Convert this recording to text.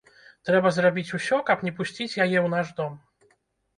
Трэба зрабіць усё, каб не пусціць яе ў наш дом.